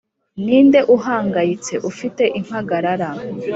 ninde uhangayitse, ufite impagarara